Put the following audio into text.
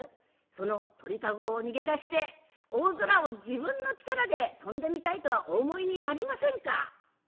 その鳥籠を逃げ出して大空を自分の力で飛んでみたいとはお思いになりませんか？」。